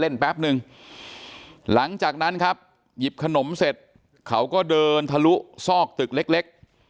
ไปทำแผนจุดเริ่มต้นที่เข้ามาที่บ่อนที่พระราม๓ซอย๖๖เลยนะครับทุกผู้ชมครับ